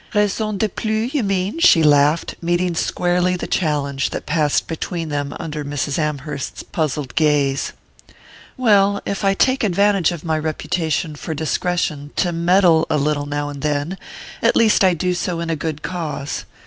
"Raison de plus, you mean?" she laughed, meeting squarely the challenge that passed between them under Mrs. Amherst's puzzled gaze. "Well, if I take advantage of my reputation for discretion to meddle a little now and then, at least I do so in a good cause.